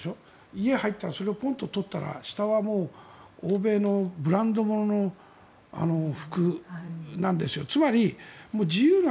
家について全部ポンと脱いだら下は欧米のブランド物の服なんですよ。